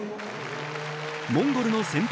モンゴルの先輩